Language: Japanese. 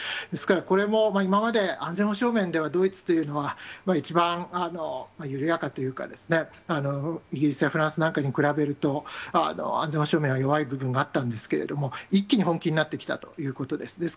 ですから、これも今まで安全保障面ではドイツというのは、一番緩やかというか、イギリスやフランスなんかに比べると、安全保障面は弱い部分があったんですけど、一気に本気になってきたということです。